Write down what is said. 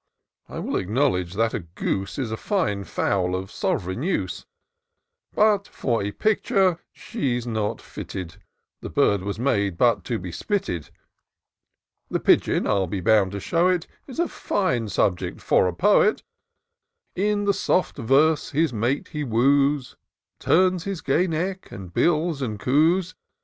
I will acknowledge that a goose Is a fine fowl, of sov'reign use : But for a picture she's not fitted — The bird was made but to be spitted. The pigeon, I'll be bound to show it. Is a fine subject for a poet ; In the soft verse his mate he woos, Turns his gay neck, and bills and coos.